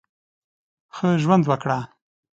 ښه ژوند وکړه !